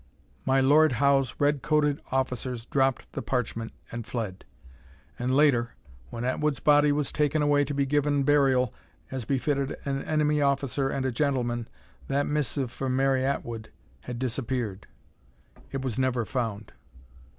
My Lord Howe's red coated officers dropped the parchment and fled. And later, when Atwood's body was taken away to be given burial as befitted an enemy officer and a gentleman, that missive from Mary Atwood had disappeared. It was never found.